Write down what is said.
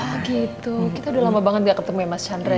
oh gitu kita udah lama banget gak ketemu ya mas chandra